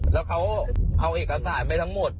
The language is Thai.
แล้วเขาเอาเอกสารไปทั้งหมด